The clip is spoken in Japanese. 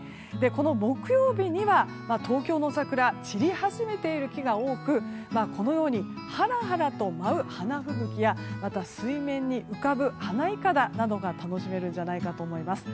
木曜日には東京の桜散り始めている木が多くこのようにはらはらと舞う花吹雪やまた水面に浮かぶ花いかだなどが楽しめるんじゃないかと思います。